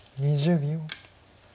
２０秒。